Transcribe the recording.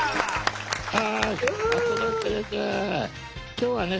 今日はね